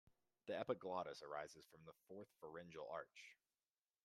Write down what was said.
The epiglottis arises from the fourth pharyngeal arch.